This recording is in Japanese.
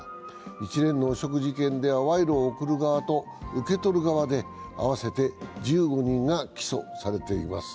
一連の汚職事件では賄賂を贈る側と受け取る側で合わせて１５人が起訴されています。